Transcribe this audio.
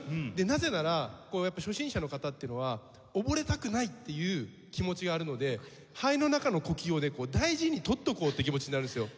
なぜなら初心者の方っていうのは「溺れたくない」っていう気持ちがあるので肺の中の呼気をね大事に取っておこうって気持ちになるんですよ。